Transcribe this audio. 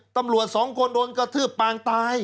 ตำรวจสองคนโดนกระทืบปางตาย